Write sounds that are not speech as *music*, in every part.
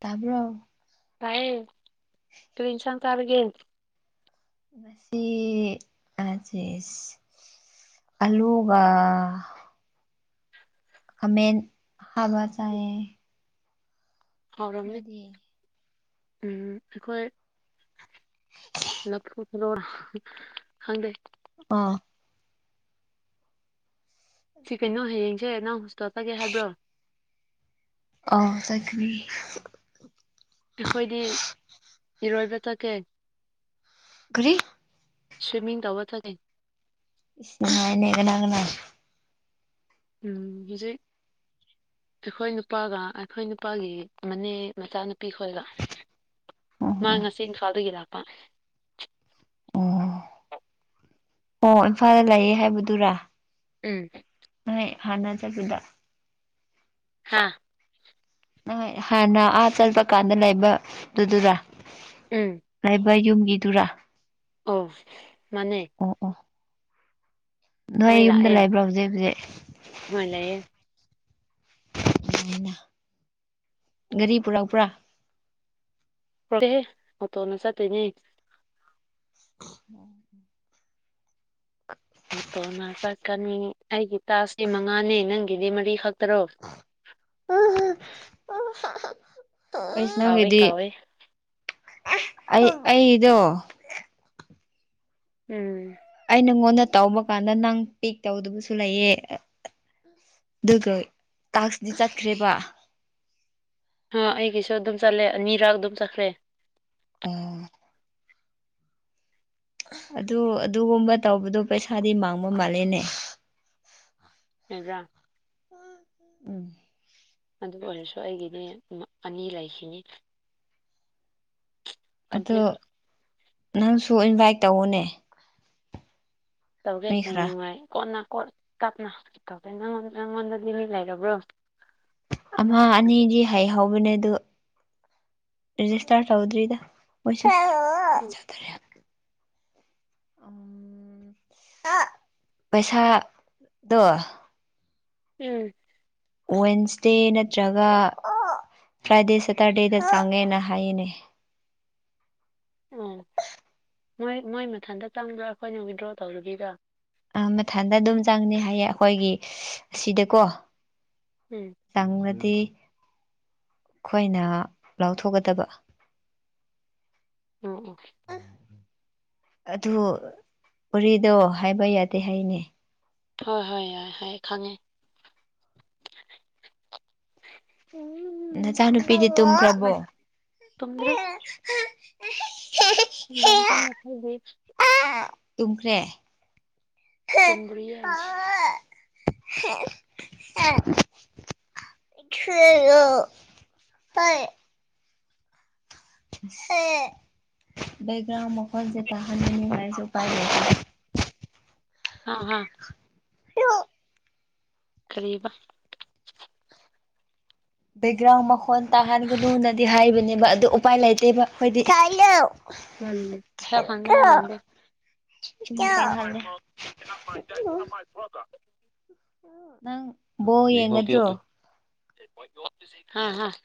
ꯇꯕ꯭ꯔꯣ ꯀꯥꯏ ꯀꯤꯟꯁꯪ ꯇꯔꯒꯦꯠ ꯃꯁꯤ ꯁ ꯑꯂꯨꯒ ꯑꯃꯃꯦꯟ ꯍꯥꯕꯁꯥꯏꯌꯦ ꯍꯥꯎꯔꯝꯅꯤ ꯃꯔꯤ ꯎꯝ ꯑꯩꯈꯣꯏ ꯂꯈꯄꯨ ꯂꯣ ꯈꯪꯗꯦ ꯑꯥ ꯆꯤꯀꯩꯅꯣ ꯍꯌꯦꯡ ꯏꯆꯦ ꯅꯪ ꯍꯁꯇꯣꯆꯒꯦ ꯍꯥꯏꯕ꯭ꯔꯣ ꯑ ꯁꯅꯤ ꯑꯩꯈꯣꯏꯗꯤ ꯏꯔꯣꯏꯕ ꯆꯠꯀꯦ ꯈꯒꯔꯤ ꯁ꯭ꯋꯤꯃꯤꯡ ꯇꯋꯥ ꯊꯒ ꯏꯥꯏꯅꯦꯒꯅꯉꯅ ꯎꯝ ꯍꯧꯖꯤꯛ ꯑꯩꯈꯣꯏ ꯅꯨꯄꯥꯒ ꯑꯩꯈꯣꯏ ꯅꯨꯄꯥꯒꯤ ꯃꯅꯦ ꯃꯆꯥꯅꯨ ꯄꯤꯈꯣꯏꯒ ꯃꯥ ꯑꯣ ꯉꯁꯤ ꯏꯝꯐꯥꯜꯗꯒꯤ ꯂꯥꯛꯄ ꯑ ꯑꯣ ꯑꯣ ꯏꯝꯐꯥꯜꯗ ꯂꯩꯌꯦꯦ ꯍꯥꯏꯕꯗꯨꯔꯥ ꯎꯝ ꯍꯅꯥ ꯆ ꯁꯗꯥ ꯍꯥꯥ ꯍꯥꯟꯅ ꯑꯥ ꯆꯠꯄ ꯀꯥꯟꯗ ꯂꯩꯕꯗꯨꯗꯨꯔꯥ ꯎꯝ ꯂꯩꯕ ꯌꯨꯝꯒꯤꯗꯨꯔꯥ ꯑ ꯃꯅꯦ ꯑꯣ ꯑꯣ ꯅꯣꯏ ꯌꯨꯝꯗ ꯂꯩꯕ꯭ꯔꯣ ꯍꯧꯖꯤꯛ ꯍꯧꯖꯤꯛ ꯍꯣꯏ ꯂꯩꯌꯦ ꯒꯥꯔꯤ ꯄꯨꯔꯛꯄ꯭ꯔ ꯄꯨꯔꯛꯇꯦ ꯍꯦ ꯑꯣꯇꯣꯅ ꯆꯠꯇꯣꯏꯅꯤ ꯈꯥ ꯑ ꯑꯣꯇꯣꯅ ꯆꯠꯀꯅꯤ ꯑꯩꯒꯤ ꯇꯥꯁ꯭ꯛ ꯗꯤ ꯃꯉꯥꯅꯤ ꯅꯪꯒꯤꯗꯤ ꯃꯔꯤꯈꯛ ꯇ ꯔꯣ ꯀꯩꯁꯅꯒꯗꯤ *inaudible* *unintelligible* ꯑꯩ ꯑꯩꯗꯣ ꯎꯝ ꯑꯩ ꯅꯪꯉꯣꯟꯗ ꯇꯧꯕ ꯀꯥꯟꯗ ꯅꯪ ꯄꯤꯛ ꯇꯧꯗꯕꯁꯨ ꯂꯩꯌꯦ ꯑꯛ ꯑ ꯑꯗꯨꯒ ꯇꯥꯁ꯭ꯛ ꯗꯤ ꯆꯠꯈ꯭ꯔꯦꯕ ꯍꯥ ꯑꯩꯒꯤꯁꯨ ꯑꯗꯨꯝ ꯆꯠꯂꯦ ꯑꯅꯤꯔꯛ ꯑꯗꯨꯝ ꯆꯠꯈ꯭ꯔꯦ ꯎꯨꯝ ꯑꯗꯨ ꯑꯗꯨꯒꯨꯝꯕ ꯇꯧꯕꯗꯣ ꯄꯩꯁꯥꯗꯤ ꯃꯥꯡꯕ ꯃꯥꯜꯂꯦꯅꯦ ꯉꯔꯥꯡ *unintelligible* ꯎꯝ ꯑꯗꯨ ꯑꯣꯏꯔꯁꯨ ꯑꯩꯒꯤꯗꯤ ꯎꯝ-ꯃ ꯑꯅꯤ ꯂꯩꯈꯤꯅꯤ ꯑꯗꯣ ꯀꯝꯄ꯭ꯂꯤꯠ ꯅꯪꯁꯨ ꯏꯟꯚꯥꯏꯠ ꯇꯧꯎꯅꯦ ꯇꯧꯒꯦ ꯍꯌꯦꯡ ꯋꯥꯏ ꯀꯣꯟꯅ ꯀꯣꯠ ꯇꯞꯅ ꯇꯧꯒꯦ ꯅꯉꯣꯟ ꯅꯉꯣꯟꯗꯗꯤ ꯃꯤ ꯂꯩꯔꯕ꯭ꯔꯣ ꯑꯃ ꯑꯅꯤꯗꯤ ꯍꯩꯍꯧꯕꯅꯦ ꯑꯗꯨ ꯔꯦꯖꯤꯁꯇꯥꯔ ꯇꯧꯗ꯭ꯔꯤꯗ ꯎꯝ ꯑꯥ ꯄꯩꯁꯥꯗꯨ ꯎꯝ ꯋꯦꯟꯁꯗꯦ ꯅꯠꯇ꯭ꯔꯒ ꯑꯣ ꯐ꯭ꯔꯥꯏꯗꯦ ꯁꯇꯔꯗꯦꯗ ꯑꯣ ꯆꯪꯉꯦꯅ ꯍꯥꯏꯌꯦꯅꯦ ꯑꯣ ꯃꯣꯏ ꯃꯣꯏ ꯃꯊꯟꯇ ꯆꯪꯕ꯭ꯔ ꯑꯩꯈꯣꯏꯅ ꯋꯤꯗ꯭ꯔꯣ ꯇꯧꯔꯨꯒꯤꯗ꯭ꯔꯥ ꯑꯥ ꯃꯊꯟꯗ ꯑꯗꯨꯝ ꯆꯪꯅꯤ ꯍꯥꯏꯌꯦ ꯑꯩꯈꯣꯏꯒꯤ ꯁꯤꯗꯀꯣ ꯎꯝ ꯇꯥꯡꯂꯗꯤ ꯑꯩꯈꯣꯏꯅ ꯂꯥꯎꯊꯣꯛꯀꯗꯕ ꯎꯝ ꯎ ꯑꯗꯨ ꯎꯔꯤꯗꯣ ꯍꯥꯏꯕ ꯌꯥꯗꯦ ꯍꯥꯏꯅꯦ ꯍꯣꯏ ꯍꯣꯏ ꯌꯥꯏ ꯍꯣꯏ ꯈꯪꯉꯦ ꯅꯆꯥꯅꯨꯄꯤꯗꯤ ꯇꯨꯝꯈ꯭ꯔꯕꯣ ꯁꯟꯒꯣꯝ ꯀꯟꯅꯥ ꯊꯤꯠꯂꯤ ꯇꯨꯝꯈ꯭ꯔꯦ ꯇꯨꯝꯗ꯭ꯔꯤꯌꯦ *unintelligible* ꯍ ꯌꯦ ꯕꯦꯛꯒ꯭ꯔꯥꯎ ꯃꯈꯣꯜꯁꯦ ꯇꯍꯟꯒꯅꯨ ꯍꯥꯏꯔꯁꯨ ꯎꯄꯥꯏ ꯂꯩꯇꯦ ꯑ ꯍ ꯍꯣ꯫ ꯀꯔꯤꯕ꯫ ꯕꯦꯛꯒ꯭ꯔꯥꯎ ꯃꯈꯣꯟ ꯇꯥꯍꯟꯒꯅꯣꯅ꯫ ꯍꯥꯏꯕꯅꯦꯕ ꯑꯗꯨ ꯎꯄꯥꯏ ꯂꯩꯇꯦꯕ ꯑꯩꯈꯣꯏꯗꯤ꯫ ꯎꯝ *inaudible* ꯇꯥꯍꯜꯂꯦ ꯅꯪ ꯕꯣꯜ ꯌꯦꯡꯒꯗ꯭ꯔꯣ꯫ ꯍꯥ ꯍꯥ ꯫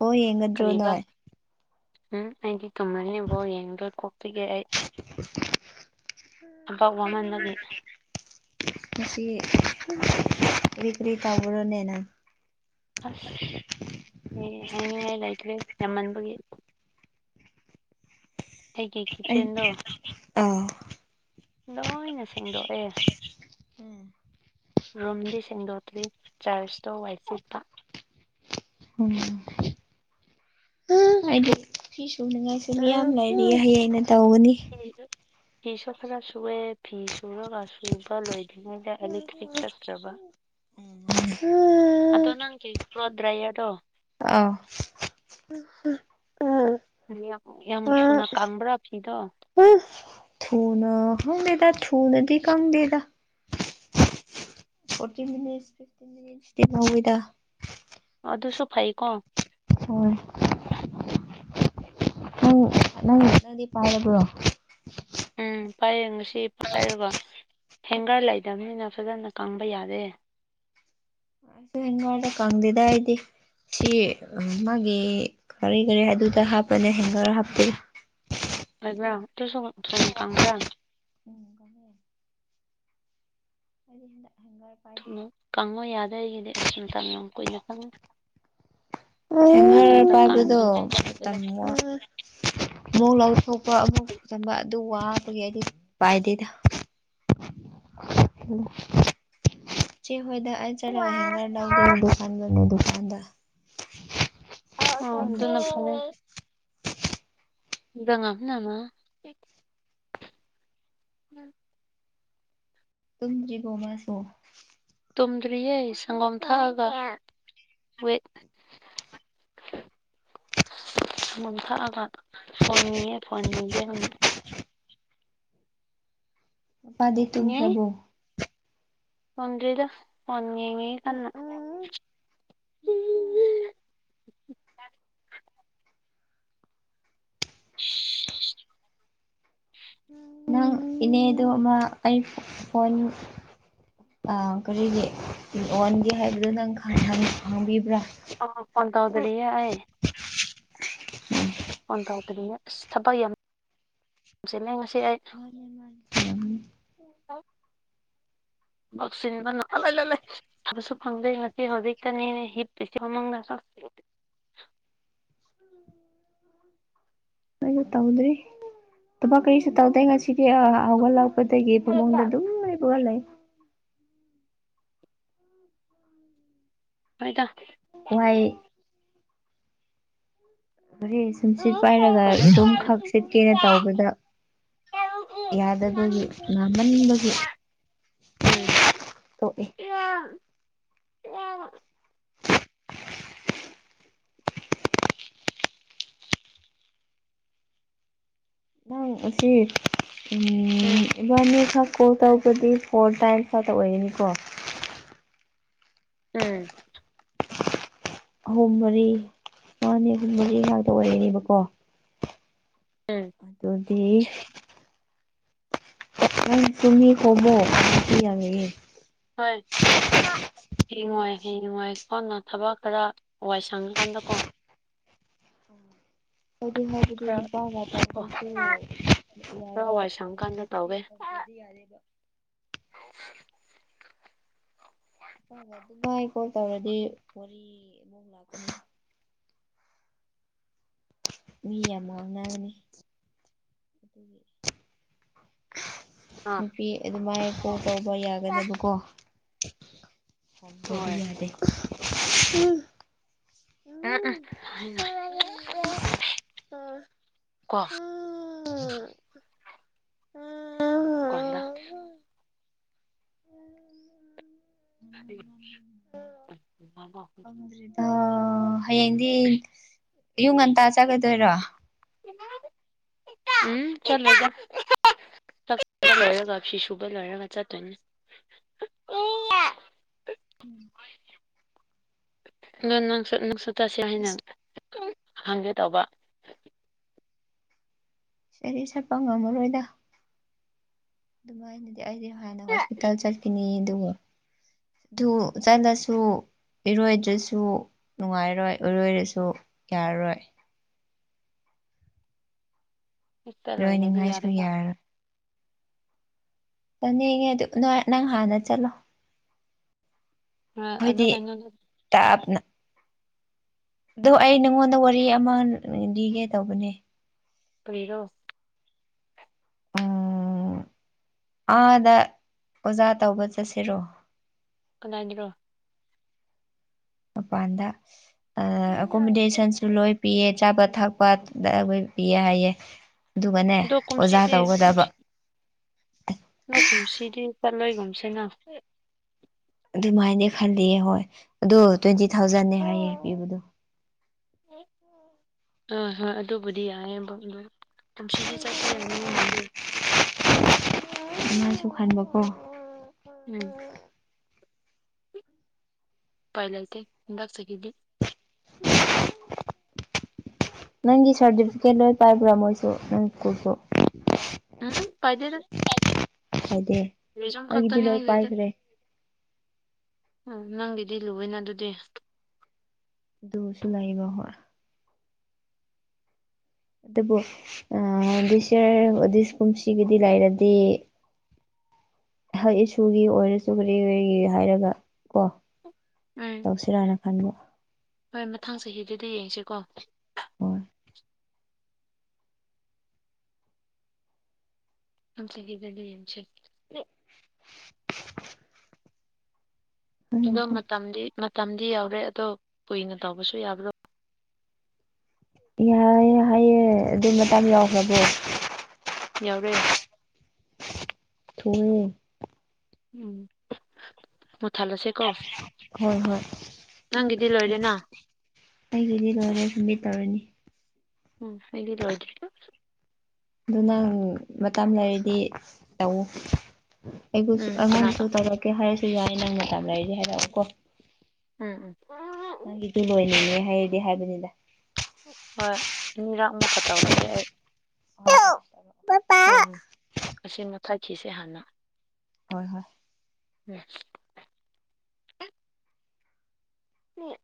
ꯕꯣꯜ ꯌꯦꯡꯒꯗ꯭ꯔꯣ ꯅꯣꯏ꯫ ꯎꯝ ꯈꯪꯗꯦ꯫ ꯇꯨꯝꯃꯅꯤ ꯕꯣꯜ ꯌꯦꯡꯕꯗꯣ ꯀꯣꯛ ꯆꯤꯛ ꯑꯦ ꯑꯩ ꯊꯕꯛ ꯋꯥꯃꯟꯕꯩ ꯑꯩ꯫ ꯀꯔꯤ-ꯀꯔꯤ ꯇꯕꯔꯣꯅꯣꯅꯦ ꯅꯪ ꯫ ꯑꯁ ꯑꯩ ꯍꯥꯏꯅꯤꯡꯉꯥꯏ ꯂꯩꯇ꯭ꯔꯦ ꯌꯥꯝꯃꯟꯕꯒꯤ꯫ ꯑꯩꯒꯤ ꯑꯩ ꯀꯤꯠꯆꯦꯟꯗꯣ ꯑꯥ ꯂꯣꯏꯅ ꯁꯦꯡꯗꯣꯛꯑꯦ ꯔꯨꯝꯗꯤ ꯁꯦꯡꯗꯣꯛ꯫ ꯑꯗꯨꯏ ꯆꯥꯔ꯭ꯁꯇꯣ ꯋꯥꯏ ꯁꯤꯠꯄ꯫ ꯎꯝ ꯑꯩꯗꯤ ꯐꯤ ꯁꯨꯅꯤꯡꯉꯥꯏꯁꯨ ꯃꯌꯥꯝ ꯂꯩꯥꯔꯤ ꯍꯌꯦꯡ ꯅ꯫ ꯇꯧꯒꯅꯤ꯫ ꯐꯤꯁꯨ ꯈꯔ ꯁꯨꯑꯦ ꯐꯤꯁꯨꯔꯒ ꯐꯤ ꯁꯨꯕ ꯂꯣꯏ꯫ ꯑꯦꯂꯦꯛꯇꯔꯤꯛ ꯆꯠꯇꯔ꯭ꯕ ꯑꯗꯣ ꯅꯪꯒꯤ꯫ ꯗꯔꯌꯑꯔ꯫ ꯑ꯫ ꯌꯥꯝ-ꯌꯥꯝ ꯊꯨꯅ ꯀꯪꯕꯔꯥ ꯐꯤꯗꯣ꯫ ꯊꯨꯅ ꯍꯧꯗꯦꯗ ꯊꯨꯅꯗꯤ ꯈꯪꯗꯦꯗ ꯐꯣꯔꯇꯤꯟ ꯃꯤꯅꯤꯠ ꯐꯇꯤꯟꯁꯇ ꯇꯦꯜꯍꯧꯋꯤꯗ꯫ ꯑꯗꯨꯁꯨ ꯐꯩꯀꯣ꯫ ꯍꯣꯏ ꯅꯪ-ꯅꯪ ꯅꯪꯗꯤ ꯄꯥꯏꯔꯕ꯭ꯔꯣ꯫ ꯎꯝ ꯄꯌꯦ꯫ ꯄꯥꯏꯔꯕ꯫ ꯍꯦꯡꯒꯔ ꯂꯩꯇꯕꯅꯤꯅ ꯐꯖꯅ ꯀꯪꯕ ꯌꯥꯔꯦ꯫ ꯑꯩꯁꯨ ꯍꯦꯡꯒꯔꯗ ꯀꯪꯗꯦꯗ ꯑꯩꯗꯤ ꯁꯤ ꯃꯥꯒꯤ ꯀꯔꯤ-ꯀꯔꯤ ꯑꯗꯨꯗ ꯍꯥꯞꯄꯅꯦ ꯍꯦꯡꯒꯔ ꯍꯥꯞꯇꯦ꯫ ꯋꯥ꯫ ꯗꯨꯁꯨ ꯊꯨꯅ ꯀꯪꯕꯔ꯫ ꯎꯝ ꯑꯗꯨ ꯍ꯫ ꯔ ꯊꯨꯅ ꯀꯪꯉꯣ ꯌꯥꯗꯦ ꯑꯩꯒꯤꯗꯤ ꯑꯁ ꯃꯇꯝ ꯌꯥꯝ ꯀꯨꯏꯅ ꯆꯪꯉꯦ ꯍꯦꯡꯒꯔ ꯑꯗꯨꯗ ꯄꯥꯏꯕꯗꯣ ꯇꯣ ꯀꯪꯗ꯭ꯔꯤꯉꯩꯗ ꯂꯧꯊꯣꯛ ꯑꯃꯣꯛ ꯂꯧꯊꯣꯛꯄ ꯑꯃꯨꯛ ꯍꯄꯆꯤꯟꯕꯥ ꯑꯗꯨ ꯋꯥ꯫ ꯑꯗꯨꯒꯤ ꯑꯩꯗꯤ ꯄꯥꯏꯗꯦꯗ꯫ ꯎꯝ꯫ ꯍꯣꯏꯗ ꯑꯩꯩꯅ ꯆꯠꯂꯒ ꯍꯤꯡꯒꯔ ꯂꯧꯗꯧꯕꯨ꯫ ꯐꯕ ꯗꯨꯀꯥꯟꯗ꯫ ꯅ ꯐ *inaudible* ꯪꯥ *inaudible* ꯎꯝ ꯇꯁꯤꯕꯣꯃꯁꯣ ꯇꯨꯝꯗ꯭ꯔꯤꯌꯦ ꯁꯪꯒꯣꯝ ꯊꯛꯑꯒ ꯋ ꯁꯪꯒꯣꯝ ꯊꯛꯑꯒ ꯐꯣꯟꯅꯤꯌꯦ ꯐꯣꯟꯅꯤꯗꯦꯅ ꯄꯥꯗꯦ ꯇꯨꯝ ꯄ꯭ꯔꯚꯨ ꯈꯪꯗꯦꯗ ꯉꯦꯉ ꯀꯅꯥ *unintelligible* ꯅꯪ ꯏꯅꯦꯗ ꯑꯃ ꯑꯩ ꯐꯣꯟ ꯀꯔꯤꯒꯤ ꯑꯣꯟꯒꯦ ꯍꯥꯏꯕꯗꯨꯣ ꯅꯪ ꯈꯪꯕꯤꯕ꯭ꯔꯥ ꯑ ꯄꯣꯟ ꯇꯧ ꯔꯥꯏ ꯍꯟ ꯇꯥꯎꯗꯅꯦ ꯑꯁ ꯊꯕꯄ ꯌꯥꯝ ꯑꯩ *unintelligible* ꯁꯤꯟꯕꯕꯁꯨ ꯐꯪꯗꯩ ꯉꯁꯤ ꯍꯧꯖꯤꯛꯇꯅꯦ ꯍꯤꯞꯇꯁꯤ ꯎꯃꯪꯗ ꯆ ꯅ ꯇꯧꯗꯔꯤ ꯇꯃ ꯀꯔꯤꯁ ꯇ ꯇ ꯉꯁꯤ ꯁꯤꯒꯤ ꯑ ꯍꯧꯥꯎꯒꯠꯂꯥꯎꯒꯗꯒꯕꯑꯣꯡꯗ ꯑꯗꯨꯝ ꯂꯩꯕꯒꯠꯂ ꯍꯣꯏꯗ ꯋꯥꯏ ꯃꯣꯔꯦ ꯁꯨꯝ ꯁꯤꯠ ꯄꯥꯏꯔꯒ ꯀꯃꯥꯏ ꯑꯗꯨꯝ ꯇꯧꯒꯅꯤ ꯈꯛ ꯁꯤꯠꯀꯦꯅ ꯇꯧꯕꯗ ꯌꯥꯗꯕꯒꯤ ꯉꯥꯝꯃꯟꯕꯒꯤ ꯇꯣꯛꯑꯦ ꯑ ꯎꯝ ꯏꯆ‌ꯦ ꯎꯝ ꯎꯝꯕꯅꯤ ꯊ ꯇꯧꯕꯗꯤ ꯐꯣꯔ ꯇꯥꯏꯝꯁ ꯈꯇ ꯑꯣꯏꯒꯅꯤꯀꯣ ꯎꯝ ꯑꯍꯨꯝ ꯃꯔꯤ ꯃꯥꯅꯤ ꯑꯍꯨꯝ ꯃꯔꯤ ꯉꯥꯛꯇ ꯑꯣꯏꯔꯅꯦꯕꯀꯣ ꯎꯝ ꯑꯗꯨꯗꯤ ꯑ ꯇ ꯀꯕꯣ ꯍꯌꯦ ꯅꯨꯡꯉꯥꯏꯀꯣꯅ ꯊꯕꯛ ꯈꯔ ꯋꯥꯏ ꯁꯪꯉꯀꯥꯟꯗ ꯀꯣ ꯑꯗꯨꯗꯤ ꯍꯥꯏꯕꯗꯤ ꯈꯔ ꯅꯨꯄꯥ ꯀꯣ ꯉꯄꯥꯗꯁꯨ ꯈꯔ ꯌꯥꯔꯣꯏ ꯋꯥꯏ ꯁꯪꯀꯥꯟꯗ ꯅꯨꯄꯤ ꯈꯪꯗ꯭ꯔꯗꯤ ꯌꯥꯔꯦꯕ ꯍ ꯐ ꯑꯗꯨꯃꯥꯏ ꯀꯣꯜ ꯇꯧꯔꯗꯤ ꯋꯥꯔꯤ ꯑꯃꯨ ꯂꯥꯛꯀꯅꯤ ꯃꯤ ꯌꯥꯝꯃꯅ ꯑꯃꯅꯤꯅꯤ ꯑꯗꯨꯗꯒꯤ ꯑꯥ ꯅꯨꯄꯤ ꯑꯗꯨꯃꯥꯏ ꯀꯣꯜ ꯇꯧꯕ ꯌꯥꯒꯗꯕꯀꯣ ꯗꯤ ꯍꯣꯏ ꯌꯥꯗ ꯎ ꯑ ꯀ ꯎꯝ ꯀꯣꯟꯗꯥ ꯍ ꯃꯥ ꯈꯪꯗ꯭ꯔꯤꯗ ꯍꯌꯦꯡꯗꯤ ꯌꯨ ꯉꯟꯇꯥ ꯆꯥꯒꯗꯣꯏꯔꯣ ꯎꯝ ꯆꯒꯨꯕ ꯂꯔꯒ ꯆ ꯎꯝ ꯎꯪꯪ ꯇꯠꯁꯦ ꯍꯥꯏꯅ ꯍꯪꯦ ꯇꯧꯕ ꯏꯁꯩ ꯁꯠꯄ ꯉꯝꯃꯔꯣꯏꯗ ꯑꯗꯨꯃꯥꯏꯅ ꯑꯩꯗꯤ ꯍꯥꯟꯅ ꯍꯣꯁꯄꯤꯇꯥꯜꯁ ꯆꯠꯄꯤꯅꯤ ꯑꯗꯨꯒ ꯑꯗꯨ ꯆꯠꯂꯁꯨ ꯏꯔꯣꯏꯗ꯭ꯔꯁꯨ ꯅꯨꯡꯉꯥꯏꯔꯣꯏ ꯏꯔꯣꯏꯔꯁꯨ ꯌꯥꯔꯔꯣꯏ ꯆꯠꯂꯣꯏꯔꯗꯤ ꯏꯔꯣꯏꯅꯤꯡꯉꯥꯏꯁꯨ ꯌꯥꯔꯦꯗ ꯌꯥꯔꯣꯏ ꯆꯅꯤꯡꯉꯦ ꯑꯗꯨ ꯅ ꯅꯪ ꯍꯥꯟꯅ ꯆꯠꯂꯣ ꯑꯗꯨ ꯑꯩꯈꯣꯏꯗꯤ ꯀꯩꯅꯣꯗꯣ ꯇꯥꯞꯅ ꯑ ꯑꯩ ꯅꯉꯣꯟꯗ ꯋꯥꯔꯤ ꯑꯃ ꯂꯤꯒꯦ ꯇꯧꯕꯅꯦ ꯐꯔꯔꯣ ꯎꯝ ꯑꯥꯗ ꯑꯣꯖꯥ ꯇꯧꯕ ꯆꯠꯁꯤꯔꯣ ꯀꯗꯥꯥꯏꯗꯔꯣ ꯑꯄꯥꯗ ꯑꯦꯀꯣꯃꯤꯣꯗꯦꯁꯟꯁꯨ ꯂꯣꯏ ꯄꯤꯌꯦ ꯑꯆꯥꯄꯠ ꯊꯛꯄꯗ ꯑꯩꯈꯣꯏ ꯄꯤꯌꯦ ꯍꯥꯏꯌꯦꯦ ꯑꯗꯨꯒꯅꯦ ꯑꯗꯣ ꯑꯣꯖꯥ ꯇꯧꯒꯗꯕ ꯂ ꯀꯨꯝꯁꯤꯗꯤ ꯆꯠꯂꯣꯏꯒꯨꯝꯁꯤꯅ ꯑꯗꯨꯃꯥꯏꯅ ꯈꯜꯂꯤ ꯍꯣꯏ ꯑꯗꯨꯗꯣ ꯇ꯭ꯋꯦꯟꯇꯤ ꯊꯥꯎꯖꯟꯅꯦ ꯍꯥꯏꯌꯦ ꯄꯤꯕꯗꯣ ꯍ ꯍꯣꯏ ꯑꯗꯨꯕꯨꯗꯤ ꯌꯥꯏꯗ ꯇꯝꯁꯤꯒꯤ ꯆꯠꯄ ꯌꯥꯅꯤ ꯑꯣꯅꯗꯦ ꯑꯗꯨꯁꯨ ꯈꯟꯕꯀꯣ ꯎꯝ ꯄꯥꯏꯂ ꯏꯇꯦ ꯂꯥꯛ ꯆ ꯀꯈꯤꯕꯤ ꯅꯪꯒꯤ ꯁꯥꯔꯇꯤꯐꯤꯀꯦꯠ ꯂꯣꯏ ꯄꯥꯏꯕ꯭ꯔꯥ ꯃꯣꯏꯁꯨ ꯅꯪ ꯁ꯭ꯀꯨꯜꯁꯨ ꯎꯝ ꯄꯦꯗ ꯍꯥꯏ ꯇꯤꯌꯦ ꯑꯩꯒꯤꯗꯤ ꯂꯣꯏ ꯄꯥꯏꯒꯔꯦ ꯎꯝ ꯅꯪꯒꯤꯗꯤ ꯂꯨꯏꯅ ꯑꯗꯨꯗꯤ ꯑꯗꯨꯁꯨ ꯂꯩꯕ ꯍꯣꯏ ꯑꯗꯨꯕꯨ ꯑꯥ ꯗꯤꯁꯤꯑꯔ ꯗꯤꯁ ꯀꯨꯝꯁꯤꯒꯤꯗꯤ ꯂꯩꯥꯏꯔꯗꯤ ꯍꯥꯏꯁꯨꯒꯤ ꯑꯣꯏꯔꯁꯨ ꯀꯔꯤ ꯀꯔꯤ ꯍꯥꯏꯔꯒ ꯀꯣ ꯎꯝ ꯇꯧꯁꯤꯔꯥꯅ ꯈꯟꯕ ꯍꯣꯏ ꯃꯊꯪ ꯆꯍꯤꯗꯨꯗꯤ ꯌꯦꯡꯁꯤꯀꯣ ꯍꯣꯏ ꯊꯪ ꯆꯍꯤꯗꯗꯤ ꯌꯦꯡꯁꯤ ꯏꯛ ꯑꯗꯣ ꯃꯇꯝꯗꯤ ꯃꯇꯝꯗꯤ ꯌꯥꯎꯔꯦ ꯑꯗꯣ ꯀꯨꯏꯅ ꯇꯧꯕꯁꯨ ꯌꯥꯕ꯭ꯔꯣ ꯌꯥꯏ ꯍꯥꯏꯌꯦ ꯑꯗꯨ ꯃꯇꯝ ꯌꯧꯈ꯭ꯔꯗꯤ ꯌꯥꯎꯔꯦ ꯊꯨꯏꯌꯦ ꯎꯝ ꯃꯨꯊꯥꯜꯂꯁꯦ ꯀꯣ ꯍꯣꯏ ꯍꯣꯏ ꯑꯥ ꯂꯣꯏꯔꯦꯅ ꯑꯩꯒꯤꯗꯤ ꯂꯣꯏꯔꯦ ꯐꯨꯝꯕꯤ ꯇꯧꯔꯅꯤ ꯎꯝ ꯑꯩꯗꯤ ꯂꯣꯏꯗ꯭ꯔꯤ ꯑꯗꯨ ꯅꯪ ꯃꯇꯝ ꯂꯩꯔꯗꯤ ꯇꯧꯑꯣ ꯑꯩꯕꯨꯁꯨ ꯎꯝ ꯑꯉꯥꯡꯁꯨ ꯀꯅꯥꯗ ꯇꯧꯔꯛꯀꯦ ꯍꯥꯏꯁ ꯌꯥꯏ ꯅꯪ ꯃꯇꯝ ꯂꯩꯔꯗꯤ ꯍꯥꯏꯔꯛꯑꯣ ꯀꯣ ꯎꯝ ꯎꯝ ꯍꯥꯏꯗꯤ ꯍꯥꯏꯕꯅꯤꯗ ꯍꯣꯏ ꯏꯟꯅꯤꯔꯛ ꯃꯨꯛ ꯀꯇꯧꯔꯛꯀꯦ ꯑꯩ ꯑ *inaudible* ꯑꯝ ꯑꯁꯤ ꯃꯊꯛꯈꯤꯁꯦ ꯍꯥꯟꯅ ꯍꯣꯏ ꯍꯣꯏ ꯎꯝ *inaudible* ꯃꯤ *inaudible*